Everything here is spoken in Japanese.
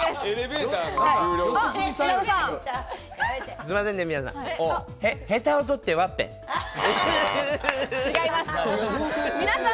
すいませんね、皆さん。